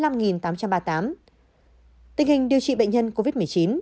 tình hình điều trị bệnh nhân covid một mươi chín